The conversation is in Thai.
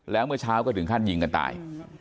แล้วเมื่อเช้าก็ถึงขั้นยิงกันตาย